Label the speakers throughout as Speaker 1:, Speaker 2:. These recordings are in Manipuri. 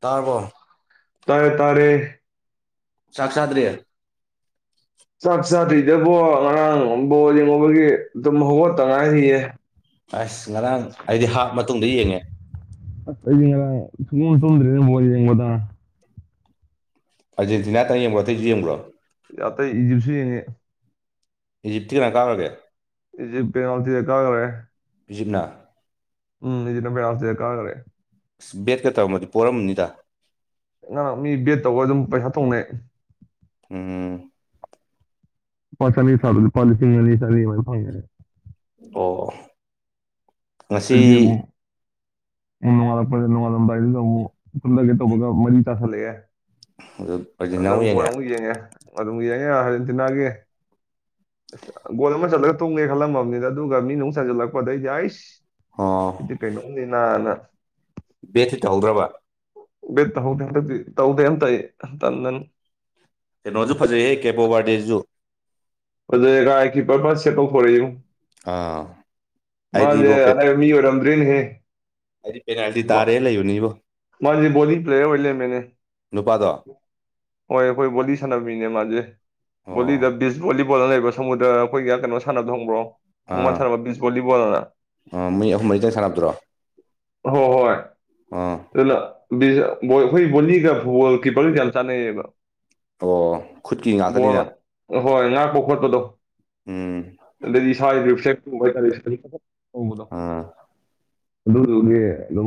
Speaker 1: ꯇꯥꯔꯕꯣ
Speaker 2: ꯇꯥꯔꯦ ꯇꯥꯔꯦ
Speaker 1: ꯆꯥꯛ ꯆꯗꯔꯤ
Speaker 2: ꯆꯥꯛ ꯆꯥꯗ꯭ꯔꯤꯗꯕꯣ ꯉꯔꯥꯡ ꯕꯣꯜ ꯌꯦꯡꯉꯨꯕꯒꯤ ꯇꯨꯝ ꯍꯧꯒꯠꯇ ꯉꯥꯏꯔꯤꯌꯦ
Speaker 1: ꯑꯁ ꯉꯔꯥꯡ ꯑꯩꯗꯤ ꯍꯥꯞ ꯃꯇꯨꯡꯗ ꯌꯦꯡꯉꯦ
Speaker 2: ꯑꯁ ꯑꯩꯗꯤ ꯉꯔꯥꯡ ꯁꯨꯡꯇꯨꯝ ꯇꯨꯝꯗ꯭ꯔꯦ ꯕꯣꯜ ꯌꯦꯡꯕꯗ
Speaker 1: ꯑꯔꯦꯟꯇꯤꯅꯥꯇꯪ ꯌꯦꯡꯕ꯭ꯔꯣꯑꯇꯩꯩꯁꯨ ꯌꯦꯕ꯭ꯔꯣ
Speaker 2: ꯑꯇꯩ ꯏꯖꯤꯞꯁꯨ ꯌꯦꯡꯉꯤ
Speaker 1: ꯏꯖꯤꯞꯇꯤ ꯀꯅꯥ ꯀꯥꯒꯔꯥꯒꯦ
Speaker 2: ꯏꯖꯤꯞ ꯄꯦꯅꯥꯜꯇꯤꯗ ꯀꯒꯔꯦ
Speaker 1: ꯏꯖꯤꯞꯅ
Speaker 2: ꯎꯝꯖꯤꯅ ꯄꯕꯌꯥꯁꯗ ꯀꯥ ꯈꯔꯦ
Speaker 1: ꯑꯁ ꯕꯦꯠꯀ ꯇꯧꯝꯃꯗꯤ ꯄꯣꯔꯔꯝꯅꯤꯗ
Speaker 2: ꯉꯔꯥꯡ ꯃꯤ ꯕꯦꯠ ꯇꯧꯒ ꯑꯗꯨꯝ ꯄꯩꯁꯥ ꯊꯣꯡꯅꯩ
Speaker 1: ꯎꯝ
Speaker 2: ꯆꯥꯝꯔꯤ ꯊꯥꯕꯗ ꯂꯨꯄꯥ ꯂꯤꯁꯤꯡ ꯑꯅꯤ ꯆꯥꯝꯔꯤ ꯑꯗꯨꯃꯥꯏ ꯐꯪꯉ°ꯌ°
Speaker 1: ꯑꯣ ꯉꯁꯤ
Speaker 2: ꯑꯗꯨ ꯎ ꯅꯣꯡꯉꯥꯂꯛꯄꯗ ꯅꯣꯡꯉꯥꯜꯂꯝꯗꯥꯏꯗꯨꯗ ꯑꯃꯨꯛ ꯄꯨꯜꯂꯒꯦ ꯇꯧꯕꯒ ꯃꯔꯤ ꯇꯥꯥꯁꯜꯂꯛꯑꯦ ꯑꯗꯨꯝ ꯣꯟ ꯑꯃꯨꯛ ꯌꯦꯡꯉꯦ ꯑꯗꯨꯝ ꯌꯦꯡꯉꯦ ꯑꯔꯖꯦꯟꯇꯤꯅꯥꯒꯤ ꯑꯁ ꯒꯣꯜ ꯑꯃ ꯆꯠꯂꯒ ꯇꯣꯡꯒꯦ ꯈꯜꯂꯝꯃꯕꯅꯤꯅ ꯑꯗꯨꯒ ꯃꯤ ꯅꯨꯡ ꯁꯟꯖꯜꯂꯛꯄꯗꯩꯗꯤ ꯑꯁ
Speaker 1: ꯑꯣ
Speaker 2: ꯏ ꯀꯩꯩꯅꯅꯤ ꯅ
Speaker 1: ꯕꯦꯠꯠꯇꯤ ꯇꯧꯍꯧꯗ꯭ꯔꯕ
Speaker 2: ꯕꯠ ꯇꯧꯗꯦꯗꯤ ꯇꯧꯗꯦ ꯇ ꯇ ꯅꯅ
Speaker 1: ꯀꯩꯅꯣꯁꯨ ꯐꯖꯩꯍꯦ ꯀꯦꯕꯣ ꯋꯥꯔꯗꯦꯁꯤꯁꯨ
Speaker 2: ꯑꯣꯖꯒꯥꯏ ꯀꯀꯤꯄꯔꯕ ꯁꯦꯠꯧ ꯐꯣꯔꯛꯏꯡ
Speaker 1: ꯑꯥ
Speaker 2: ꯃꯥꯦ
Speaker 1: ꯑꯩꯗꯤꯕꯣ
Speaker 2: ꯑꯔꯦ ꯃꯤ ꯑꯣ ꯑꯝꯔꯤꯟ ꯍꯦ
Speaker 1: ꯍꯥꯏꯗꯤ ꯄꯦꯅꯥꯜꯇꯤ ꯇꯥꯔꯦ ꯂꯩꯌꯅꯤꯕꯣ
Speaker 2: ꯃꯥ ꯣꯗꯤ ꯄ꯭ꯂꯦꯔ ꯑꯣꯏ ꯃꯅꯦ
Speaker 1: ꯅꯨꯄꯥꯗꯣ
Speaker 2: ꯍꯣꯏ ꯑꯩꯈꯣꯏ ꯕꯣꯂꯤ ꯁꯥꯟꯅꯕꯃꯤꯅꯦ ꯃꯥꯁꯦ ꯕꯣꯂꯤꯗ
Speaker 1: ꯑꯣ
Speaker 2: ꯕꯤꯁ ꯕꯣ ꯗ ꯂꯩꯕ ꯁꯃꯨꯗ꯭ꯔ ꯑꯩꯈꯣꯏꯒ ꯀꯩꯅꯣ ꯁꯥꯟꯅꯕ ꯊꯣꯡꯕ꯭ꯔꯣ ꯈꯣꯡꯕꯥ
Speaker 1: ꯑꯥ
Speaker 2: ꯁꯥꯟꯅꯕꯕꯤ
Speaker 1: ꯃꯤ ꯑꯍꯨꯝ ꯃꯔꯤꯗ ꯁꯥꯟꯅꯕꯗ꯭ꯔꯣ
Speaker 2: ꯍꯣ ꯍꯣꯏ
Speaker 1: ꯑ
Speaker 2: ꯑꯗꯨ ꯑꯩꯈꯣꯏ ꯕꯣꯂꯤꯒ ꯒꯣꯜ ꯀꯤꯄꯔꯒ ꯀꯌꯥ ꯆꯥꯟꯅꯩꯌꯦꯕ
Speaker 1: ꯑꯣ ꯈꯨꯠꯀꯤ
Speaker 2: ꯕꯣꯜ
Speaker 1: ꯉꯥꯛꯇꯅꯤꯅ
Speaker 2: ꯍꯣꯏ ꯉꯥꯛꯄ ꯈꯣꯠꯄꯗꯣ
Speaker 1: ꯎꯝ
Speaker 2: ꯑꯗꯩꯗꯤ ꯏꯁꯋꯥꯏꯗ ꯁꯦ ꯍꯥꯏꯇꯥꯔꯦ ꯎꯗ
Speaker 1: ꯑꯥ
Speaker 2: ꯑꯗꯨꯒ ꯑꯗꯨꯣ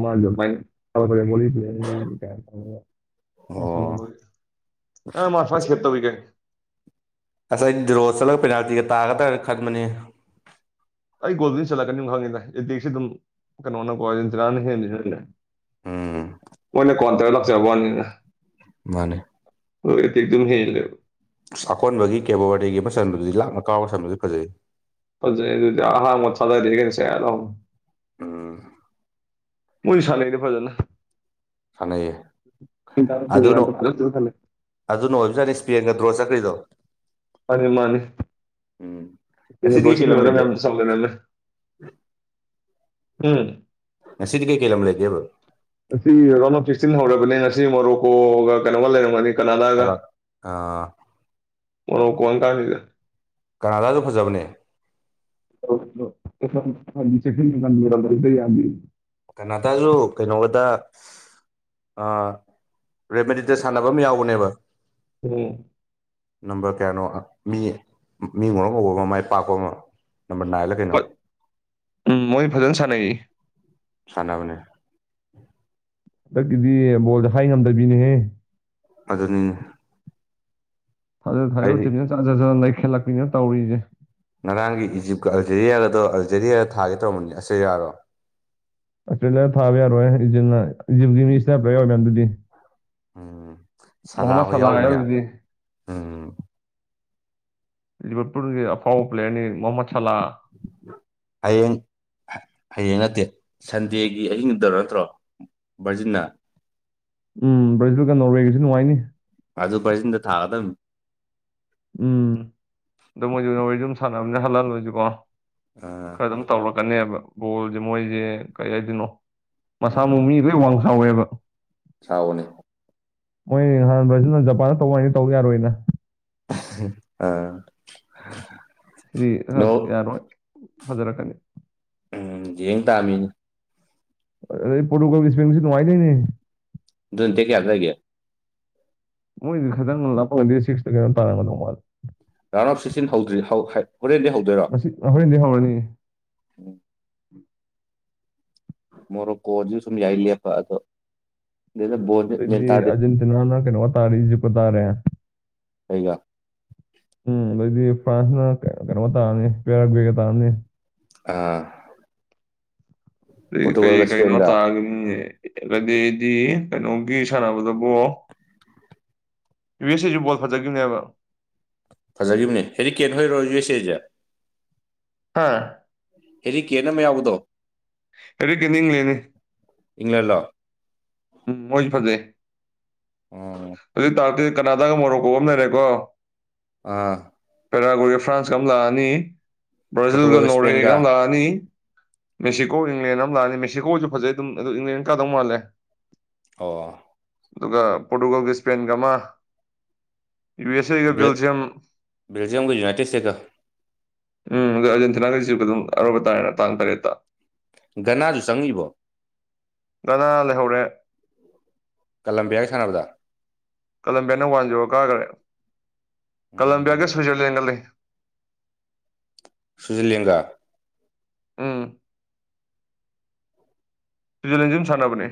Speaker 2: ꯃꯥꯁ
Speaker 1: ꯑꯣ
Speaker 2: ꯑ ꯃꯥꯁ ꯁꯦ ꯇ ꯍꯧꯒꯦ
Speaker 1: ꯉꯁꯥꯏ ꯗꯤꯔꯣ ꯆꯠꯂꯒ ꯄꯦꯅꯥꯜꯇꯤꯒ ꯇꯥꯒꯗ꯭ꯔꯅ ꯈꯟꯕꯅꯤ
Speaker 2: ꯑꯩ ꯒꯣꯜꯗ ꯆꯠꯂꯛꯀꯅꯤ ꯈꯪꯉꯦꯗ ꯑꯦꯇꯦꯛꯁꯤꯦ ꯑꯗꯨꯝ ꯀꯩꯅꯣꯅꯀꯣ ꯍꯦ
Speaker 1: ꯎꯝ
Speaker 2: ꯃꯣꯏꯅ ꯀꯣꯟ ꯇꯔ ꯂꯥꯛꯆꯕꯅꯤꯅ
Speaker 1: ꯃꯥꯅꯦ
Speaker 2: ꯑꯣ ꯑꯗꯨꯝ ꯍꯦꯜ ꯂꯩ
Speaker 1: ꯑꯁ ꯑꯀꯣꯟꯕꯒꯤ ꯀꯦꯕꯣꯋꯥꯔꯤꯒꯤ ꯃꯁꯟꯗꯨꯗꯤ ꯂꯥꯅ ꯀꯥꯎꯕ ꯁꯟꯗꯨꯗꯤ ꯐꯖꯩ
Speaker 2: ꯑꯗꯨꯗꯤ ꯍꯥ ꯃꯊꯗꯁꯦ
Speaker 1: ꯎꯝ
Speaker 2: ꯃꯣꯏꯁꯨ ꯁꯥꯟꯅꯩꯅꯦ ꯐꯖꯅꯅ
Speaker 1: ꯀꯥꯟꯅꯩꯌꯦ ꯑꯗꯨꯅ ꯑꯗꯨꯅ ꯑꯣꯏꯕꯁꯨ ꯌꯥꯠꯅꯤ ꯏꯁ꯭ꯄꯦꯟꯒ ꯗ꯭ꯔꯣ ꯆꯀ꯭ꯔꯤꯗꯣ
Speaker 2: ꯃꯥꯅꯤ ꯃꯥꯅꯤ
Speaker 1: ꯎꯝ ꯉꯁꯤꯗꯤ ꯀꯩꯀꯩ ꯂꯝ
Speaker 2: ꯄꯁꯤꯗꯤꯔ ꯃ
Speaker 1: ꯂꯩꯒꯦ
Speaker 2: ꯆꯂꯅꯃꯦ ꯎꯝ
Speaker 1: ꯁꯤꯗꯤ ꯀꯩꯀꯩ ꯂꯝꯂꯝ ꯂꯩꯒꯦꯕ
Speaker 2: ꯉꯁꯤ ꯔꯥꯎꯟ ꯑꯣꯐ ꯁꯤꯛꯁꯇꯤꯟ ꯍꯧꯔꯕꯅꯦ ꯉꯁꯤ ꯃꯣꯔꯣꯀꯣꯒ ꯀꯩꯅꯣꯒ ꯂꯩꯔꯝꯒꯅꯤ ꯀꯅꯥꯗꯑꯒ
Speaker 1: ꯀꯅꯥ ꯑꯥ
Speaker 2: ꯃꯅ ꯀꯡ ꯀꯥꯅꯤꯗ
Speaker 1: ꯀꯅꯥꯗꯥꯁꯨ ꯐꯖꯕꯅꯦ
Speaker 2: ꯆꯦ ꯂꯩꯗ ꯌꯥ
Speaker 1: ꯀꯅꯥꯇꯂꯨ ꯀꯩꯅꯣꯗ ꯔꯦꯃꯦꯗꯤꯗ ꯁꯥꯟꯅꯕ ꯑꯃ ꯌꯥꯎꯕꯅꯦꯕ
Speaker 2: ꯎꯝ
Speaker 1: ꯅꯝꯕꯔ ꯀꯌꯥꯅꯣ ꯃꯤ ꯃꯤ ꯃꯣꯛ ꯎꯧꯕ ꯑꯃ ꯃꯥꯏ ꯄꯥꯛꯄ ꯑꯃ ꯅꯝꯕꯔ ꯅꯥꯏꯜꯂ ꯀꯩꯅꯣ
Speaker 2: ꯎꯝ ꯃꯣꯏ ꯐꯖꯅ ꯁꯥꯟꯅꯩ
Speaker 1: ꯁꯥꯟꯕꯨꯅꯦ
Speaker 2: ꯍꯟꯗꯛꯀꯤꯗꯤ ꯕꯣꯜꯁꯦ ꯍꯥꯏ ꯉꯝꯗꯕꯤꯅꯦꯍꯦ
Speaker 1: ꯑꯗꯨꯅꯤꯅꯦ
Speaker 2: ꯊꯥꯖ ꯊꯥꯖꯕ
Speaker 1: ꯑꯩꯗꯤ
Speaker 2: ꯇꯤꯅ ꯆꯠꯖꯅ ꯂꯩꯈꯠꯂꯛꯅꯤꯅ ꯇꯧꯔꯤꯅꯦꯦ
Speaker 1: ꯉꯔꯥꯡꯒꯤ ꯏꯖꯤꯞꯀ ꯑꯜꯖꯦꯔꯤꯌꯥꯒꯗꯣ ꯑꯜꯖꯦꯔꯤꯌꯥꯗ ꯊꯥꯒꯦ ꯇꯧꯔꯕꯝꯕꯅꯤ ꯑꯁ ꯌꯥꯔꯣ
Speaker 2: ꯑꯦꯄ꯭ꯔꯤꯜꯗꯗ ꯊꯥꯕ ꯌꯥꯔꯣꯏ ꯏꯖꯤꯜꯅ ꯏꯖꯤꯜꯒꯤ ꯃꯤꯁꯤꯗꯞꯄ ꯌꯥꯎꯋ ꯃꯌꯥꯝꯗꯨꯗꯤ
Speaker 1: ꯎꯝ ꯁꯂꯥ
Speaker 2: ꯃꯣꯍꯃꯠ
Speaker 1: ꯍꯣꯏ ꯌꯥꯎꯔꯃꯤꯅ
Speaker 2: ꯌꯥꯎꯔꯤꯗꯨꯗꯤ
Speaker 1: ꯎꯝ
Speaker 2: ꯖꯤꯕꯠꯄꯨꯔꯒꯤ ꯑꯐꯥꯎꯕ ꯄ꯭ꯂꯦꯌꯔꯅꯤ ꯃꯣꯍꯃꯠ ꯁꯂꯥ
Speaker 1: ꯍꯌꯦꯡ ꯍꯌꯦꯡ ꯅꯠꯇꯦ ꯁꯟꯗꯦꯒꯤ ꯑꯍꯤꯡꯗꯣ ꯅꯠꯇ꯭ꯔꯣ ꯕꯖꯤꯅ
Speaker 2: ꯎꯝ ꯕ꯭ꯔꯖꯒ ꯅꯣꯔꯋꯦꯒꯤꯁꯨ ꯅꯨꯡꯉꯥꯏꯅꯤ
Speaker 1: ꯑꯗꯨ ꯕ꯭ꯔꯥꯖꯤꯜꯗ ꯊꯥꯒꯗꯨꯝꯅꯤ
Speaker 2: ꯎꯝ ꯑꯗꯨ ꯃꯣꯏꯁꯨ ꯅꯣꯔꯋ‌ꯦ ꯑꯗꯨꯝ ꯁꯥꯟꯅꯕꯅꯦ ꯍꯂꯥꯜꯍ‌ꯣꯏꯁꯨꯀꯣ
Speaker 1: ꯑ
Speaker 2: ꯈꯔ ꯑꯗꯨꯝ ꯇꯧꯔꯛꯀꯅꯦꯕ ꯕꯣꯜꯁꯦ ꯃꯣꯏꯁꯦ ꯀꯩ ꯍꯥꯏꯗꯣꯏꯅꯣ ꯃꯁꯥ ꯃꯎ ꯃꯤ ꯂ‌ꯣꯏꯟ ꯋꯥꯡ ꯁꯥꯎꯋꯦꯕ
Speaker 1: ꯆꯥꯎꯕꯅꯤ
Speaker 2: ꯃꯣꯏ ꯅꯍꯥꯟ ꯕ꯭ꯔꯥꯖꯤꯜꯅ ꯖꯄꯥꯟꯗ ꯇꯧꯏꯅ ꯇꯧ ꯌꯥꯔꯣꯏꯅ
Speaker 1: ꯑꯥ
Speaker 2: ꯁꯤꯗꯤ
Speaker 1: ꯅꯣ
Speaker 2: ꯌꯥꯔꯣꯏ ꯐꯖꯔꯛꯀꯅꯤ
Speaker 1: ꯎꯝ ꯌꯦꯡ ꯇꯥꯃꯤꯅ‌ꯦ
Speaker 2: ꯑꯗꯩ ꯄꯣꯔꯇꯨꯒꯥꯜ ꯁꯦꯡꯒꯤꯁꯨ ꯅꯨꯡꯉꯥꯏꯗ‌ꯣꯏꯅ‌ꯦ
Speaker 1: ꯑꯗꯨꯣꯟ ꯗ‌ꯦꯠ ꯀꯌꯥꯗ ꯂ‌ꯩꯒ‌ꯦ
Speaker 2: ꯃꯣꯏꯗꯤ ꯈꯤꯇꯪ ꯂꯞꯄꯂꯗꯦ ꯁꯤꯛꯁ ꯀꯩꯅꯣ ꯇꯥꯔꯝꯒꯗꯧ ꯃꯥꯜꯂ‌ꯦ
Speaker 1: ꯔꯥꯎꯟ ꯑꯣꯐ ꯁꯤꯛꯁꯇꯤꯟ ꯍꯧꯗ꯭ꯔꯤ ꯍꯣꯔꯦꯟꯗꯤ ꯍꯧꯗꯣꯏ
Speaker 2: ꯍ‌ꯣꯔ‌ꯦꯟꯗꯩ ꯍꯧꯔꯅꯤ
Speaker 1: ꯎꯝ ꯃꯣꯔ‌ꯣꯀꯣ ꯁꯨ ꯁꯨꯝ ꯌꯥꯥꯏ ꯂ‌ꯦꯞꯄ ꯑꯗ‌ꯣ ꯗꯨꯗ ꯕ‌ꯣꯜ
Speaker 2: ꯗ‌ꯣꯏꯗꯤ ꯑꯖꯦꯟꯇꯅꯥꯅ ꯀꯩꯅꯣꯒ ꯇꯥꯔ‌ꯦ ꯏꯖꯤꯞꯀ ꯇꯔꯦ
Speaker 1: ꯀꯩꯒ
Speaker 2: ꯎꯝ ꯑꯗꯩꯗꯤ ꯐ꯭ꯔꯥꯟꯁꯅ ꯀꯩꯅꯣ ꯇꯥꯔꯅꯤ ꯄꯦꯔꯒꯨꯋ‌ꯦ ꯒ ꯇꯥꯔꯅꯤ
Speaker 1: ꯑꯥ
Speaker 2: ꯑ ꯀꯩ
Speaker 1: ꯄꯣꯔꯇꯨꯒꯜꯒ
Speaker 2: ꯀꯩꯅꯣ
Speaker 1: ꯏꯁꯄꯦꯟꯒ
Speaker 2: ꯇꯥꯒꯗꯗꯤ ꯑꯗꯩꯗꯤ ꯀꯩꯅꯣꯒꯤ ꯁꯥꯟꯅꯕꯗꯕꯨ ꯌꯨ ꯑꯦꯁ ꯑꯦꯁꯨ ꯕꯣꯜ ꯐꯖꯈꯤꯕꯅꯦꯕ
Speaker 1: ꯐꯖꯈꯤꯕꯅꯦ ꯍꯦꯔꯤꯀꯦꯟꯠ ꯍꯣꯏꯔꯣ [unintelligible]
Speaker 2: ꯍꯥꯥ
Speaker 1: ꯍꯦꯔꯤ ꯀꯦꯠ ꯑꯃ ꯌꯥꯎꯕꯗꯣ
Speaker 2: ꯍ‌ꯦꯔꯤ ꯀ‌ꯦꯟꯗꯤ ꯏꯡꯂ‌ꯦꯟꯅꯤ
Speaker 1: ꯏꯪꯂꯦꯟꯂꯣ
Speaker 2: ꯎꯝ ꯃꯣꯏ ꯐꯖꯩ
Speaker 1: ꯑꯣ
Speaker 2: ꯑꯗꯨꯏ ꯇꯥꯔꯗꯤ ꯀꯅꯥꯗꯥꯒ ꯃꯣꯔꯣꯛꯀ‌ꯣꯒ ꯑꯝ ꯂꯩꯔꯦꯀꯣ
Speaker 1: ꯑꯥ
Speaker 2: ꯄꯦꯔꯥꯒꯨꯋ‌ꯦꯒ ꯐ꯭ꯔꯥꯟꯁꯀ ꯑꯃ ꯂꯥꯛꯑꯅꯤ ꯕ꯭ꯔꯥꯖꯤꯜꯒ
Speaker 1: ꯄꯣꯔꯇꯨꯒꯜꯒ
Speaker 2: ꯅꯣꯔꯋꯦꯒ
Speaker 1: ꯏꯁꯄꯦꯟꯒ
Speaker 2: ꯑꯃ ꯂꯥꯛꯑꯅꯤ ꯃꯦꯛꯁꯤꯀꯣ ꯏꯪꯂꯦꯟ ꯑꯃ ꯂꯥꯛꯑꯅꯤ ꯃꯦꯛꯁꯤꯀꯣꯁꯨ ꯐꯖꯩ ꯑꯗꯨꯝ ꯑꯗꯨ ꯏꯪꯂꯦꯟꯅ ꯀꯥꯗꯧ ꯃꯥꯜꯂꯦ
Speaker 1: ꯑꯣ
Speaker 2: ꯑꯗꯨꯒ ꯄꯣꯔꯇꯨꯒꯜꯒꯤ ꯁ꯭ꯄꯦꯟꯒ ꯑꯃ ꯌꯨ ꯑꯦꯁ ꯑꯦ ꯌꯨꯒ꯭ꯔꯤꯜꯁꯤ ꯌꯥꯝ
Speaker 1: ꯕꯦꯜꯖꯤꯌꯝꯒ ꯌꯨꯅꯥꯏꯇꯦꯠ ꯏꯁꯇꯦꯠꯀ
Speaker 2: ꯎꯝ ꯑꯗꯨ ꯑꯔꯖꯦꯟꯇꯤꯅꯥꯒ ꯏꯖꯤꯞꯀꯤꯁꯨ ꯑꯔꯣꯏꯕ ꯇꯥꯔꯦꯅ ꯇꯥꯡ ꯇꯔꯦꯠ
Speaker 1: ꯒꯅꯥꯁꯨ ꯆꯪꯉꯤꯕꯣ
Speaker 2: ꯒꯅꯥ ꯂꯩꯍꯧꯔꯦ
Speaker 1: ꯀꯂꯝꯕꯤꯌꯥꯒ ꯁꯥꯟꯅꯕꯗ
Speaker 2: ꯀꯂꯝꯕꯤꯌꯥꯅ ꯋꯥꯟ ꯖꯦꯔꯣ ꯀꯥꯈꯔꯦ ꯀꯂꯝꯕꯤꯌꯥꯒ
Speaker 1: ꯎꯝ
Speaker 2: ꯁ꯭ꯋꯤꯖꯔꯂꯦꯟꯒ ꯂꯩ
Speaker 1: ꯁ꯭ꯋꯤꯖꯔꯂꯦꯡꯒꯥ
Speaker 2: ꯎꯝ ꯁꯋꯤꯖꯔꯂꯦꯟꯖꯨ ꯗꯨꯝ ꯁꯥꯟꯅꯕꯅꯦ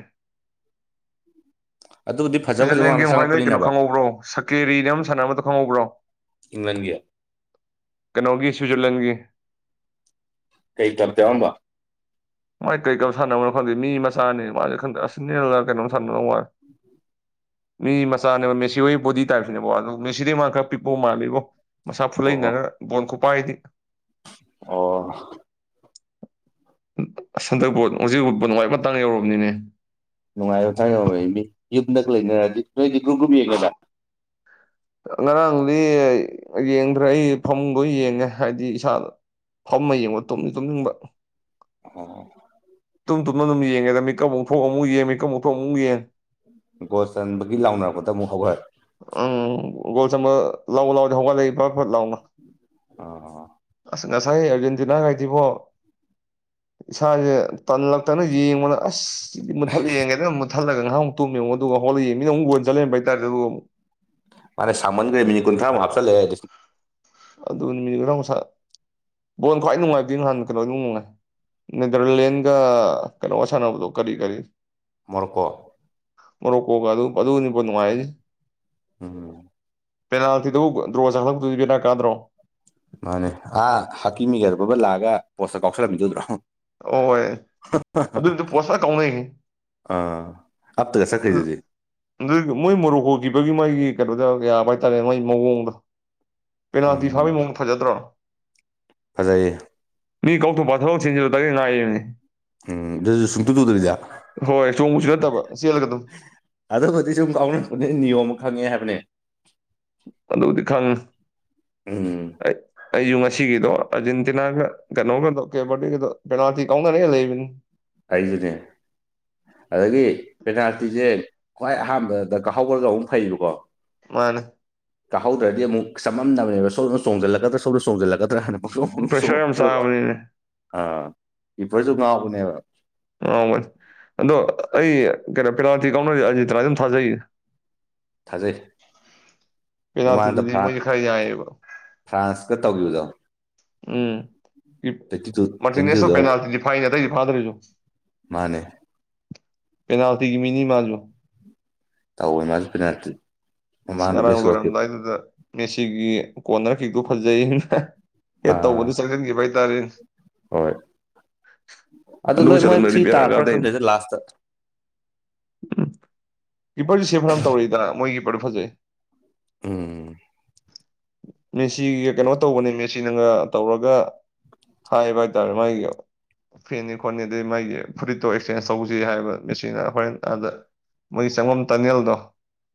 Speaker 1: ꯑꯗꯨꯕꯨꯗꯤ ꯐꯖ ꯐꯖꯕ
Speaker 2: ꯁ꯭ꯋꯤꯖꯔꯂꯦꯟꯒꯤ
Speaker 1: ꯉꯥꯛꯇ
Speaker 2: ꯃꯍ‌ꯣꯏ ꯅ‌ꯣꯏ ꯀꯩꯅꯣ
Speaker 1: ꯆꯪꯉꯛꯄꯅꯤꯅꯕ
Speaker 2: ꯈꯪꯍꯧꯕ꯭ꯔꯣ ꯁꯀꯦꯔꯤꯅ ꯑꯃ ꯁꯥꯟꯅꯕꯗ ꯈꯪꯍꯧꯕ꯭ꯔꯣ
Speaker 1: ꯏꯪꯪꯂꯦꯟꯒꯤ
Speaker 2: ꯀꯩꯅꯣꯒꯤ ꯁ꯭ꯋꯤꯖꯔꯂꯦꯟꯒꯤ
Speaker 1: ꯀꯩ ꯀ꯭ꯂꯨꯕꯇ ꯍꯥꯎꯔꯝꯕ
Speaker 2: ꯃꯥꯏ ꯀꯩ ꯀ꯭ꯂꯨꯕ ꯁꯥꯟꯅꯕꯅꯣ ꯈꯪꯗꯦ ꯃꯤ ꯃꯆꯥꯅꯤ ꯃꯥꯁꯦ ꯈꯪꯗꯦ ꯑꯔꯁ‌ꯦꯅꯦꯜꯔ ꯀꯩꯅꯣꯝ ꯁꯥꯟꯅꯔꯝꯗꯧ ꯃꯥꯜꯂ‌ꯦ ꯃꯤ ꯃꯆꯥꯅꯦꯕ ꯃꯦꯁꯤ ꯍꯣꯏ ꯕꯣꯗꯤ ꯇꯥꯏꯞꯁꯤꯅꯦꯕꯣ ꯑꯗꯨ ꯃꯦꯁꯤꯗꯩ ꯃꯥ ꯈꯔ ꯄꯤꯛꯄꯧ ꯃꯥꯜꯂꯤꯕꯣ ꯃꯁꯥ ꯐꯨꯠꯂꯅꯔꯒ
Speaker 1: ꯑꯣ
Speaker 2: ꯕꯣꯟ ꯈꯨꯄꯥꯏꯗꯤ
Speaker 1: ꯑꯣ
Speaker 2: ꯍꯟꯗꯛ ꯕꯣꯜ ꯍꯧꯖꯤꯛ ꯅꯋꯥꯏ ꯃꯇꯥꯡ ꯌꯧꯔꯕꯅꯤꯅꯦ
Speaker 1: ꯅꯨꯡꯉꯥꯏꯕ ꯊꯥꯛ ꯌꯥ ꯃꯤ ꯌꯨꯝꯗ ꯂꯩꯅꯔꯗꯤ ꯅꯣꯏꯗꯤ ꯒ꯭ꯔꯀ꯭ꯔꯨꯞ ꯌꯦꯡꯉꯗ
Speaker 2: ꯉꯔꯥꯡꯗꯤ ꯌꯦꯡꯗ꯭ꯔꯦ ꯑꯩ ꯐꯃꯨꯡꯗ ꯌꯦꯡꯉꯦ ꯍꯥꯏꯗꯤ ꯏꯁꯥ ꯐꯝꯃ ꯌꯦꯡꯉꯣ ꯇꯨꯝꯅꯤ ꯇꯨꯝꯅꯤꯡꯕ
Speaker 1: ꯑꯣ
Speaker 2: ꯇꯨꯝ ꯇꯨꯝꯅ ꯑꯗꯨꯝ ꯌꯦꯡꯉꯦꯗ ꯃꯤꯀ ꯑꯃꯨꯛ ꯊꯣꯛꯑ ꯑꯃꯨꯛ ꯌꯦ ꯃꯤꯀꯞꯨꯛꯣꯛ ꯑꯃꯨꯛ ꯌꯦꯟ
Speaker 1: ꯒꯣ ꯆꯟꯕꯒꯤ ꯂꯥꯎꯅꯔꯛꯄꯗ ꯑꯃꯨꯛ ꯍꯧꯈꯦ
Speaker 2: ꯎꯝ ꯒꯣꯜ ꯆꯝꯕ ꯂꯥꯎ ꯂꯥꯎ ꯍꯧꯒꯠꯂꯛꯏ ꯐꯠ ꯐꯠ ꯂꯥꯎꯅ
Speaker 1: ꯑ
Speaker 2: ꯑꯁ ꯉꯁꯥꯏ ꯑꯔꯖꯦꯟꯇꯤꯅꯥ ꯀꯥꯏꯗꯤꯕꯣ ꯏꯁꯥꯁꯦ ꯇꯜꯂꯛꯇꯅ ꯌꯦꯡꯕꯗ ꯑꯁ ꯁꯤꯗꯤ ꯃꯨꯊꯠꯂ ꯌꯦꯡꯒꯦꯅ ꯑꯃꯨꯛꯊꯠꯂꯒ ꯉꯥꯏꯍꯨ ꯇꯣꯝ ꯌꯦꯡꯨꯣ ꯑꯗꯨꯒ ꯍꯣꯂꯛ ꯌꯦꯡ ꯃꯤꯅ ꯑꯃꯨꯛꯕꯣꯟ ꯆꯠꯍꯦꯟꯕ ꯍꯥꯏꯇꯥꯔꯦ ꯑꯗꯨꯒ ꯑꯃꯛ
Speaker 1: ꯃꯥꯥꯅꯦ ꯁꯃꯟꯈ꯭ꯔꯦ ꯃꯤꯅꯤꯠ ꯀꯨꯟꯊ꯭ꯔꯥ ꯃꯨꯛ ꯍꯥꯞꯆꯜꯂꯦ
Speaker 2: ꯑꯗꯨꯅꯦ [unintelligible] ꯕꯣꯟ ꯈ꯭ꯋꯥꯏ ꯅꯨꯡꯉꯥꯏꯕꯗꯤ ꯅꯍꯥꯟ ꯀꯩꯅꯣ ꯑꯗꯨꯅꯨꯡ ꯅꯨꯡꯉꯥꯏ ꯅꯦꯗꯔꯂꯦꯟꯒ ꯀꯩꯅꯣ ꯁꯥꯟꯅꯕꯗꯣ ꯀꯔꯤ ꯀꯔꯤ
Speaker 1: ꯃꯣꯔꯀꯣ
Speaker 2: ꯃꯔꯣꯛꯀꯣꯒ ꯑꯗꯨꯅꯤ ꯅꯨꯡꯉꯥꯏ
Speaker 1: ꯎꯝ
Speaker 2: ꯄꯦꯅꯥꯜꯇꯤꯗꯨꯕꯨ ꯗ꯭ꯔꯣ ꯆꯈꯛꯇ ꯕꯦꯔꯥꯀꯥꯗ꯭ꯔꯣ
Speaker 1: ꯃꯥꯅꯦ ꯑꯥ ꯍꯥꯛꯀꯤ ꯃꯤꯒꯔꯄ ꯑꯃ ꯂꯥꯛꯑꯒ ꯄꯣꯠꯁ ꯀꯥꯎꯁꯜꯂꯝꯈꯤꯗꯧꯗ꯭ꯔꯣ
Speaker 2: ꯑꯣꯏ ꯑꯗꯨꯏꯗꯤ ꯄꯣꯠꯇ ꯀꯥꯎꯅꯩꯌꯦ
Speaker 1: ꯑꯥ ꯍꯥꯞꯇ [unintelligible] ꯈꯩꯗꯦ
Speaker 2: ꯑꯗꯨ ꯃꯣꯏ ꯃꯣꯔꯣꯛ ꯍꯈꯤꯕꯒꯤ ꯃꯣꯏꯒꯤ ꯀꯩꯅꯣꯗ ꯌꯥꯕ ꯍꯥꯏꯇꯥꯔꯦ ꯃꯣꯏ ꯃꯑꯣꯡꯗ ꯄꯦꯅꯥꯜꯇꯤ
Speaker 1: ꯎꯝ
Speaker 2: ꯐꯕꯩ ꯃꯑꯣꯡ ꯐꯖꯗꯔꯣ
Speaker 1: ꯐꯖꯩꯌꯦ
Speaker 2: ꯃꯤ ꯀꯧꯊꯣꯛꯄ ꯊꯕꯛꯁꯤꯡꯁꯤ
Speaker 1: ꯎꯝ ꯑꯗꯨꯁꯨ ꯁꯨꯡꯇꯨ ꯇꯨꯗꯕꯤꯗ
Speaker 2: [unintelligible] ꯍꯣꯏ ꯆꯣꯡꯉꯨꯁꯨ ꯅꯠꯇꯕ ꯆꯦꯜꯂꯒ ꯑꯗꯨꯝ
Speaker 1: ꯑꯕꯨꯗꯤ ꯁꯨꯝ ꯀꯥꯎꯅꯅꯕꯅꯦ ꯅꯤꯌꯣꯝ ꯈꯪꯉꯦ ꯍꯥꯏꯕꯅꯦ
Speaker 2: ꯑꯗꯨꯕꯨꯗꯤ ꯈꯪꯉ
Speaker 1: ꯎꯝ
Speaker 2: [unintelligible] ꯑꯩꯁꯨ ꯉꯁꯤꯒꯤꯗꯣ ꯑꯔꯖꯦꯟꯇꯤꯅꯥꯒ ꯀꯩꯅꯣꯒꯗꯣ ꯀꯦꯕꯔꯗꯤꯒꯗꯣ ꯄꯦꯅꯥꯜꯇꯤ ꯀꯥꯎꯅꯔ ꯂꯩꯕꯅꯤ
Speaker 1: ꯑꯩꯖꯨꯅꯦ ꯑꯗꯒꯤ ꯄꯦꯅꯥꯜꯇꯤꯁꯦ ꯈ꯭ꯋꯥꯏ ꯑꯍꯥꯟꯕꯗ ꯀꯥꯍꯧꯔꯒ ꯑꯃꯨꯛ ꯐꯩꯌꯦꯕꯀꯣ
Speaker 2: ꯃꯟꯅꯦ
Speaker 1: ꯀꯥꯍꯧꯗ꯭ꯔꯗꯤ ꯑꯃꯨꯛ ꯆꯥꯃꯝꯅꯕꯅꯦꯕ ꯁꯣꯝꯗ ꯆꯣꯡꯖꯜꯂꯛꯀꯥꯗ꯭ꯔ ꯁꯣꯝꯗ ꯆꯣꯡꯖꯜꯂꯛꯀꯥꯗ꯭ꯔ ꯍꯥꯅ ꯄꯪꯆꯣꯡꯗ ꯆꯣꯡ
Speaker 2: ꯄ꯭ꯔꯦꯁꯔ ꯌꯥꯝ
Speaker 1: [unintelligible] ꯔꯣ
Speaker 2: ꯆꯥꯕꯅꯤꯅꯦ
Speaker 1: ꯑꯥ ꯀꯤꯄꯔꯁꯨ ꯉꯥꯎꯕꯅꯦꯕ
Speaker 2: ꯉꯥꯎꯕꯅꯦ ꯑꯗꯣ ꯑꯩ ꯀꯩꯅꯣ ꯄꯦꯅꯥꯜꯇꯤ ꯀꯥꯎꯅꯔꯤ ꯑꯔꯖꯦꯟꯇꯤꯅ ꯑꯗꯨꯝ ꯊꯥꯖꯩ
Speaker 1: ꯊꯥꯖꯩ ꯃꯃꯥꯡꯗ
Speaker 2: ꯄꯦꯅꯥꯜꯇꯤꯗꯨꯗꯤ
Speaker 1: ꯐ꯭ꯔꯥꯟ
Speaker 2: ꯃꯣꯏꯁꯦ ꯈꯔ
Speaker 1: [unintelligible]
Speaker 2: ꯌꯥꯏꯌꯦꯕ
Speaker 1: ꯐ꯭ꯔꯥꯟꯁꯀꯥ ꯇꯧꯒꯤꯕꯗꯣ
Speaker 2: ꯎꯝ [unintelligible]
Speaker 1: ꯇꯨ ꯇ꯭ꯋꯦꯟꯇꯤ
Speaker 2: ꯃꯔꯇꯤꯅꯦꯁꯇꯣ
Speaker 1: ꯇꯨꯗ
Speaker 2: ꯄꯦꯅꯥꯜꯇꯤꯗꯤ ꯐꯥꯏꯌꯦꯅꯦ ꯑꯇꯩꯗꯤ ꯐꯥꯗꯔꯤꯗꯣ
Speaker 1: ꯃꯥꯅꯦ
Speaker 2: ꯄꯦꯅꯥꯜꯇꯤꯒꯤ ꯃꯤꯅꯤ ꯃꯥꯖꯨ
Speaker 1: ꯇꯧꯋꯦ ꯃꯥꯁꯨ ꯄꯦꯅꯥꯜꯇꯤ
Speaker 2: ꯑꯁ
Speaker 1: ꯃꯃꯥꯡꯗ
Speaker 2: ꯉꯔꯥꯡ
Speaker 1: ꯕꯦꯁꯕꯣꯜ ꯀꯤꯞ
Speaker 2: ꯂꯣꯏꯔꯝꯗꯥꯏꯗꯨꯗ ꯃꯦꯁꯤꯒꯤ ꯀꯣꯟꯅꯔ ꯀꯤꯛꯇꯣ ꯐꯖꯩ [unintelligible] ꯑꯦꯠ
Speaker 1: ꯑꯥ
Speaker 2: ꯇꯧꯕꯗ ꯆꯜꯍꯟꯈꯤꯕ ꯍꯥꯏꯇꯥꯔꯦꯟ
Speaker 1: ꯍꯣꯏ
Speaker 2: ꯑꯗꯨ
Speaker 1: ꯂꯣꯏ ꯃꯣꯏ ꯐ꯭ꯔꯤ
Speaker 2: ꯆꯜꯂꯝꯗꯗꯤ ꯕꯦꯔꯥ
Speaker 1: ꯇꯥꯔꯛꯄ꯭ꯔꯥ
Speaker 2: ꯀꯗꯣꯏꯅꯦ
Speaker 1: ꯈꯪꯗꯦꯗ ꯂꯥꯁꯇ
Speaker 2: ꯀꯤꯄꯔꯁꯨ ꯁꯦꯐ ꯐꯅꯥꯝ ꯇꯧꯔꯛꯏꯗꯥꯅ ꯃꯣꯏꯒꯤ ꯀꯤꯄꯔꯗꯨ ꯐꯖꯩ
Speaker 1: ꯎꯝ
Speaker 2: ꯃꯦꯁꯤꯒꯤꯒ ꯀꯩꯅꯣ ꯇꯧꯕꯅꯦ ꯃꯦꯁꯤꯅꯒ ꯇꯧꯔꯒ ꯍꯥꯏꯕ ꯍꯥꯏꯇꯥꯔꯦ ꯃꯥꯒꯤꯒ ꯐꯦꯟꯅꯤ ꯈꯣꯠꯅꯤ ꯑꯗꯩ ꯃꯥꯒꯤ ꯐꯨꯔꯤꯠꯇꯣ ꯑꯦꯛꯁꯆꯦꯟꯖ ꯇꯧꯁꯤ ꯍꯥꯏꯕ ꯃꯦꯁꯤꯅ ꯍꯣꯔꯦꯟ ꯑꯥꯗ ꯃꯣꯏꯒꯤ ꯆꯪꯐꯝ ꯇꯥꯅꯦꯜꯗꯣ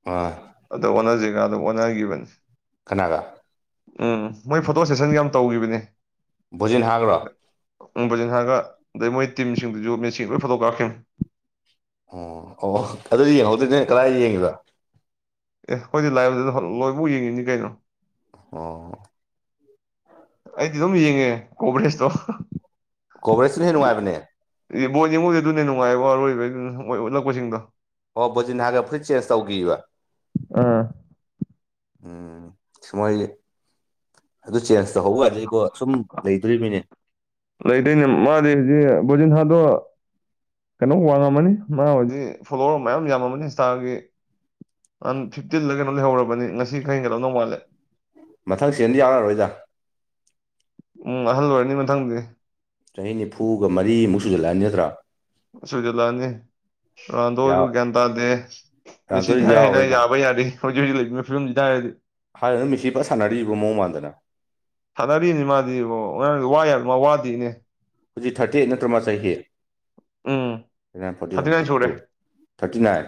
Speaker 1: ꯃꯥ
Speaker 2: ꯑꯗꯣ ꯑꯣꯟꯅꯖꯦꯒꯗꯣ ꯑꯣꯟꯅꯒꯤꯕꯅꯤ
Speaker 1: ꯀꯅꯥꯒꯥ?
Speaker 2: ꯎꯝ ꯃꯣꯏ ꯐꯣꯇꯣ ꯁꯦꯁꯟ ꯌꯥꯝ ꯇꯧꯒꯤꯕꯅꯦ
Speaker 1: ꯚꯣꯖꯤꯟ ꯍꯥꯒ꯭ꯔꯣ
Speaker 2: ꯎꯝ ꯕꯨꯖꯟ ꯍꯥꯒ ꯑꯗꯩ ꯃꯣꯏ ꯇꯤꯝꯁꯤꯡꯗꯨꯁꯨ ꯃꯦꯁꯤꯒ ꯂꯣꯏ ꯐꯣꯇꯣ ꯀꯥꯞꯈꯤꯕꯅꯦ
Speaker 1: ꯑꯣ ꯑꯣ ꯑꯗꯨꯗꯤ ꯌꯦꯡꯍꯧꯗꯦꯅꯦ ꯀꯗꯥꯏꯗ ꯌꯦꯡꯉꯤꯕꯥ?
Speaker 2: ꯑꯦ ꯍꯣꯏꯗꯤ ꯂꯥꯏ [unintelligible] ꯑꯗꯨ [unintelligible] ꯂꯣꯏꯐꯥꯎ ꯌꯦꯡꯏꯝꯅꯤ ꯀꯩꯅꯣ
Speaker 1: ꯑꯣ ꯍꯣ
Speaker 2: ꯑꯩꯗꯤ ꯑꯗꯨꯝ ꯌꯦꯡꯉꯦ ꯀꯣꯕ꯭ꯔꯦꯁꯇꯣ [unintelligible]
Speaker 1: ꯀꯣꯕꯔꯦꯖꯇꯨꯅ ꯍꯦꯟ ꯅꯨꯡꯉꯥꯏꯕꯅꯦ
Speaker 2: [unintelligible] ꯕꯣꯟ ꯌꯦꯡꯕꯕꯨꯗꯤ ꯑꯗꯨꯅꯍꯦꯟ ꯅꯨꯡꯉꯥꯏꯕꯉꯣ ꯑꯔꯣꯏꯕꯩꯗꯨꯅ ꯃꯣꯏ ꯎꯠꯂꯛꯄꯁꯤꯡꯗꯣ
Speaker 1: ꯑꯣ ꯕꯣꯖꯤꯟꯍꯥꯒ ꯐꯨꯔꯤꯠ ꯆꯦꯟꯖ ꯇꯧꯈꯤꯕ?
Speaker 2: ꯑꯥ
Speaker 1: ꯎꯝ [unintelligible] ꯃꯣꯏꯒꯤ ꯑꯗꯨ ꯆꯦꯟꯖ ꯇꯧꯍꯧꯋꯥꯗꯤꯀꯣ ꯁꯨꯝ ꯂꯩꯗꯣꯏꯔꯤꯃꯤꯅꯦ
Speaker 2: ꯂꯩꯗꯣꯏꯅꯦ ꯃꯥꯗꯤ ꯍꯧꯖꯤꯛ ꯕꯣꯖꯤꯟꯍꯥꯥꯗꯣ ꯀꯩꯅꯣ ꯋꯥꯡꯉꯝꯃꯅꯤ ꯃꯥ ꯍꯧꯖꯤꯛ ꯐꯣꯂꯣꯋꯔ ꯃꯌꯥꯝ ꯌꯥꯝꯃꯝꯃꯅꯤ ꯏꯟꯁꯇꯥꯒꯤ ꯍꯥꯟ ꯐꯤꯞꯇꯤꯟꯂꯥ ꯀꯩꯅꯣ ꯂꯩꯍꯧꯔꯕꯅꯤ ꯉꯁꯤ ꯈꯔ ꯍꯦꯟꯒꯠꯂꯝꯗꯧ ꯃꯟꯂꯦ
Speaker 1: ꯃꯊꯪ ꯁꯤꯖꯟꯗꯤ ꯌꯥꯎꯔꯛ ꯑꯔꯣꯏꯗꯥ
Speaker 2: ꯎꯝ ꯑꯍꯜ ꯑꯣꯏꯔꯅꯤ ꯃꯊꯪꯗꯤ
Speaker 1: ꯆꯍꯤ ꯅꯤꯐꯨꯒ ꯃꯔꯤꯃꯨꯛ ꯁꯨꯖꯤꯜꯂꯛꯑꯅꯤ ꯅꯠꯇ꯭ꯔꯥ?
Speaker 2: ꯁꯨꯖꯤꯜꯂꯛꯑꯅꯤ ꯔꯣꯅꯟꯗꯣꯗꯨ
Speaker 1: ꯌꯥꯎ
Speaker 2: ꯒ꯭ꯌꯥꯟ ꯇꯥꯗꯦ ꯃꯦꯁꯤ
Speaker 1: ꯔꯣꯅꯥꯜꯗꯣꯗꯤ
Speaker 2: ꯊꯥꯏ ꯍꯥꯏꯗꯥꯏ
Speaker 1: ꯌꯥꯎꯔꯔꯣꯏꯅ
Speaker 2: ꯌꯥꯕꯥ ꯌꯥꯔꯤ ꯍꯧꯖꯤꯛ ꯂꯩꯕꯤꯅꯥ ꯐꯤꯕꯝꯁꯤ ꯇꯥꯏꯔꯗꯤ
Speaker 1: ꯍꯥꯏꯔꯗ ꯃꯦꯁꯤ ꯐꯥ ꯁꯥꯟꯅꯔꯤꯕ ꯃꯑꯣꯡ ꯃꯥꯟꯗꯅ
Speaker 2: ꯊꯥꯅꯔꯤꯝꯅꯦ ꯃꯥꯗꯤ ꯕꯣ [unintelligible] ꯋꯥ ꯌꯥꯕ ꯃꯥ ꯋꯥꯗꯦꯅꯦ
Speaker 1: ꯍꯧꯖꯤꯛ ꯊꯥꯔꯇꯤ ꯑꯦꯠ ꯅꯠꯇ꯭ꯔ ꯃꯥ ꯆꯍꯤ
Speaker 2: um
Speaker 1: thirty nine forty
Speaker 2: thirty
Speaker 1: one
Speaker 2: nine
Speaker 1: forty two
Speaker 2: ꯁꯨꯔꯦ
Speaker 1: ꯊꯥꯔꯇꯤ ꯅꯥꯏꯟ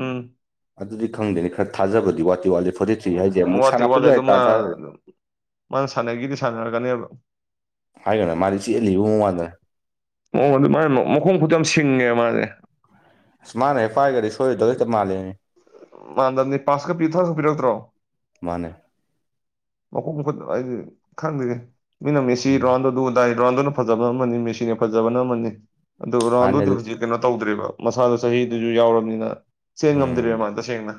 Speaker 2: ꯎꯝ
Speaker 1: ꯑꯗꯨꯗꯤ ꯈꯪꯗꯦꯅꯤ ꯈꯔ ꯊꯥꯖꯕꯗꯤ ꯋꯥꯠꯇꯤ ꯋꯥꯠꯂꯦ ꯐꯣꯔꯇꯤ ꯇꯤ ꯍꯥꯏꯖꯦ ꯑꯃꯨꯛ
Speaker 2: ꯋꯥꯠꯇꯦ
Speaker 1: ꯁꯥꯟꯔꯛꯄꯁꯨ
Speaker 2: ꯋꯥꯠꯂꯦ ꯑꯗꯨ
Speaker 1: ꯌꯥꯏ
Speaker 2: ꯃꯥ
Speaker 1: ꯇꯥꯟꯆꯥꯗ꯭ꯔꯗꯤ
Speaker 2: ꯃꯥꯅ ꯁꯥꯟꯅꯒꯤꯗꯤ ꯁꯥꯟꯅꯔꯛꯒꯅꯦꯕ
Speaker 1: ꯍꯥꯏꯒꯅꯣ ꯃꯥꯗꯤ ꯆꯦꯜꯂꯤꯕ ꯃꯃ ꯋꯥꯜꯗ
Speaker 2: ꯃꯑꯣꯡ ꯑꯗꯨ ꯃꯥ ꯃꯈꯣꯡ ꯈꯨꯗꯤ ꯌꯥꯝ ꯁꯤꯡꯉꯦꯕ ꯃꯥꯁꯦ
Speaker 1: ꯑꯁ ꯃꯥꯅ ꯍꯦꯛ ꯍꯥꯏꯔꯒꯗꯤ ꯁꯣꯏꯗꯧ ꯈꯤꯛꯇ ꯃꯥꯜꯂꯤꯅꯦ
Speaker 2: ꯃꯥꯟꯗꯕꯅꯤ ꯄꯥꯁꯀ ꯄꯤ ꯊꯔꯁꯨꯛ ꯄꯤꯔꯛꯇ꯭ꯔꯣ
Speaker 1: ꯃꯥꯅꯦ
Speaker 2: ꯃꯈꯨꯝ ꯃꯈꯨꯠ ꯑꯩꯗꯤ ꯈꯪꯗꯒꯦ ꯃꯤꯅꯝ ꯃꯤꯁꯤ
Speaker 1: ꯎꯝ
Speaker 2: ꯔꯥꯎꯟꯗ ꯑꯗꯨ ꯗꯥꯏ ꯔꯥꯎꯟꯗꯨꯅ ꯐꯖꯕꯅ ꯑꯃꯅꯤ ꯃꯦꯁꯤꯅ ꯐꯖꯕꯅ ꯑꯃꯅꯤ ꯑꯗꯨ
Speaker 1: ꯃꯥꯅꯦ
Speaker 2: ꯔꯥꯎꯟꯗꯨꯗꯤ
Speaker 1: ꯑꯗꯨ
Speaker 2: ꯍꯧꯖꯤꯛ ꯀꯩꯅꯣ ꯇꯧꯗ꯭ꯔꯦꯕ ꯃꯁꯥꯗꯣ ꯆꯍꯤꯗꯨꯁꯨ ꯌꯥꯎꯔꯕꯅꯤꯅ ꯆꯦꯟ
Speaker 1: ꯎꯝ
Speaker 2: ꯉꯝꯗ꯭ꯔꯤꯕ ꯃꯥ ꯇꯁꯦꯡꯅ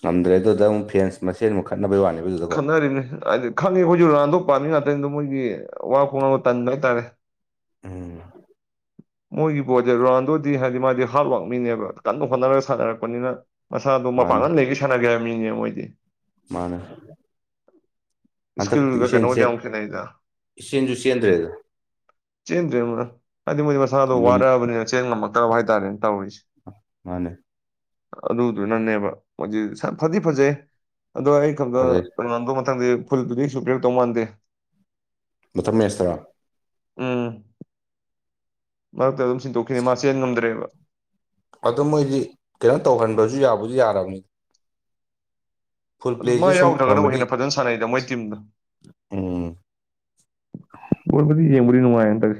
Speaker 1: ꯉꯝꯗ꯭ꯔꯦ ꯑꯗꯨꯗ ꯑꯃꯨꯛ ꯐꯦꯟꯁ ꯃꯁꯦꯟ ꯑꯃꯨꯛ ꯈꯠꯅꯕꯩ ꯋꯥꯅꯦꯕ ꯑꯗꯨꯗꯀꯣ
Speaker 2: ꯑꯗꯨ [unintelligible] ꯈꯪꯉꯦ ꯑꯩꯈꯣꯏꯁꯨ ꯔꯅꯥꯥꯟꯗꯣꯛ ꯄꯥꯝꯃꯤ ꯉꯥꯛꯇꯪꯅꯤꯗꯣ ꯃꯣꯏꯒꯤ ꯋꯥ ꯈꯣꯡꯅꯕꯒ ꯇꯟꯕ ꯍꯥꯏꯇꯥꯔꯦ
Speaker 1: ꯎꯝ
Speaker 2: ꯃꯣꯏꯒꯤ ꯕꯣꯁꯦ ꯔꯣꯅꯥꯜꯗꯣꯗꯤ ꯍꯥꯏꯗꯤ ꯃꯥꯗꯤ ꯍꯥꯔꯠ ꯋꯥꯛ ꯃꯤꯅꯦꯕ ꯀꯟꯅ ꯍꯣꯠꯅꯔꯒ ꯁꯥꯟꯅꯔꯛꯄꯅꯤꯅ ꯃꯁꯥꯗꯨ
Speaker 1: ꯃꯥꯅꯦ
Speaker 2: ꯃꯄꯥꯡꯒꯜ ꯂꯩꯒꯤ ꯁꯥꯟꯅꯒꯦ ꯍꯥꯏꯕ ꯃꯤꯅꯦ ꯃꯣꯏꯗꯤ
Speaker 1: ꯃꯥꯅꯦ ꯍꯟꯗꯛꯇꯤ
Speaker 2: ꯏꯁꯀꯤꯜꯒ
Speaker 1: ꯏꯆ
Speaker 2: ꯀꯩꯅꯣꯒꯗꯤ ꯌꯥꯝ ꯈꯦꯠꯅꯩꯗ
Speaker 1: ꯏꯆꯁꯤꯡꯁꯨ ꯆꯦꯟꯗ꯭ꯔꯦꯗ
Speaker 2: ꯆꯦꯟꯗ꯭ꯔꯦ ꯃꯅ ꯍꯥꯏꯗꯤ ꯃꯣꯏꯗꯤ ꯃꯁꯥꯗꯣ
Speaker 1: ꯂꯨꯝ
Speaker 2: ꯋꯥꯔꯛꯑꯕꯅꯤꯅ ꯆꯦꯟ ꯉꯝꯃꯛꯇꯕ ꯍꯥꯏꯇꯥꯔꯦꯅꯦ ꯇꯧꯔꯤꯁꯦ
Speaker 1: ꯃꯥꯅꯦ
Speaker 2: ꯑꯗꯨꯗꯨꯅꯅꯦꯕ ꯃ ꯐꯗꯤ ꯐꯖꯩ ꯑꯗꯣ ꯑꯩ ꯈꯪ
Speaker 1: ꯐꯖꯩ
Speaker 2: ꯀꯩꯅꯣꯗ ꯃꯊꯪꯗ ꯐꯨꯜꯗꯨꯗꯤ ꯁꯨꯔ ꯇꯧ ꯃꯥꯟꯗꯦ
Speaker 1: ꯃꯊ ꯃ ꯌꯥꯁꯔ
Speaker 2: ꯎꯝ ꯃꯔꯛꯇ ꯑꯗꯨꯝ ꯁꯤꯟꯗꯣꯛꯈꯤꯗ ꯃꯥ ꯆꯦꯟ ꯉꯝꯗ꯭ꯔꯦꯕ
Speaker 1: ꯑꯗ ꯃꯣꯏꯗꯤ ꯀꯩꯅꯣ ꯇꯧꯍꯟꯕꯁꯨ ꯌꯥꯕꯨꯁꯨ ꯌꯥꯔꯕꯅꯤ ꯐꯨꯜ
Speaker 2: ꯑꯗꯨ
Speaker 1: ꯄ꯭ꯂꯦꯁꯨ
Speaker 2: ꯃꯥ
Speaker 1: ꯁꯨꯝ
Speaker 2: ꯌꯥꯎꯗ꯭ꯔꯒꯅꯕꯨ
Speaker 1: ꯐꯪꯃꯗꯤ
Speaker 2: ꯍꯦꯟꯅ ꯐꯖꯅ ꯁꯥꯟꯅꯩꯗ ꯃꯣꯏ ꯇꯤꯝꯗꯣ
Speaker 1: ꯎꯝ
Speaker 2: ꯣꯠꯕꯨꯗꯤ ꯌꯦꯡꯕꯨꯗꯤ ꯅꯨꯡꯉꯥꯏ ꯍꯥꯏꯟꯇꯥꯔꯦ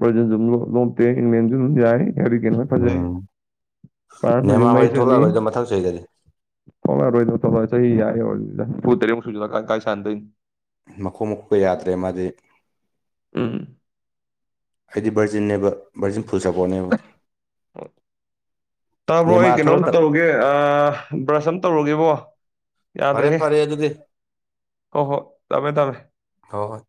Speaker 2: ꯕꯇꯦ ꯃꯦꯟ ꯌꯥꯏ ꯌꯥꯔꯤ ꯀꯅ ꯇꯖꯩ
Speaker 1: ꯎꯝ
Speaker 2: ꯄ ꯐꯗꯤ
Speaker 1: ꯅꯦꯃꯥ
Speaker 2: ꯃꯩ
Speaker 1: ꯍꯣꯏ
Speaker 2: ꯆꯣꯂꯤ
Speaker 1: ꯊꯣꯛꯂꯛꯑꯔꯣꯏꯗ ꯃꯊꯪ ꯆꯍꯤꯗꯗꯤ
Speaker 2: ꯍꯣꯏꯔꯣꯏꯗ ꯆꯍꯤ ꯌꯥꯨ ꯇꯔꯦꯃꯨꯛ ꯁꯨꯂꯥꯏ ꯀꯥꯏꯥꯟꯗꯣꯏꯅꯤ
Speaker 1: ꯃꯈꯣꯛ ꯃꯈꯣꯛꯄ ꯌꯥꯗ꯭ꯔꯦ ꯃꯥꯗꯤ
Speaker 2: ꯎꯝ
Speaker 1: ꯍꯥꯏꯗꯤ ꯕꯔꯖꯤꯟꯅꯦꯕ ꯚꯔꯗꯤꯁꯤꯡ ꯐ ꯄꯨꯖꯕꯅ [unintelligible]
Speaker 2: ꯇꯥꯕ꯭ꯔꯣ ꯑꯩ ꯀꯩꯅꯣꯝꯇ ꯇꯧꯔꯨꯒꯦ ꯕ꯭ꯔꯁ ꯑꯃ ꯇꯧꯔꯨꯒꯦꯕꯣ
Speaker 1: ꯐꯔꯦ
Speaker 2: ꯌꯥꯗ꯭ꯔꯦꯍꯦ
Speaker 1: ꯐꯔꯦ ꯑꯗꯨꯗꯤ
Speaker 2: ꯍꯣ ꯍꯣ ꯊꯥꯃꯦ ꯊꯝꯃꯦ
Speaker 1: ꯍ ꯍꯣꯏ